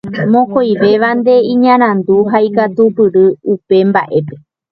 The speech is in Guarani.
Mokõivévante iñarandu ha ikatupyry upe mbaʼépe.